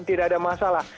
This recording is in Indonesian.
tidak ada masalah